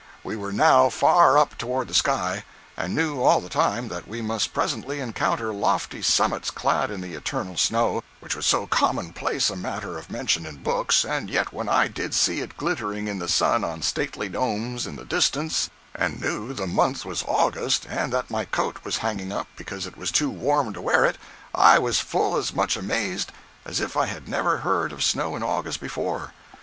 We were now far up toward the sky, and knew all the time that we must presently encounter lofty summits clad in the "eternal snow" which was so common place a matter of mention in books, and yet when I did see it glittering in the sun on stately domes in the distance and knew the month was August and that my coat was hanging up because it was too warm to wear it, I was full as much amazed as if I never had heard of snow in August before.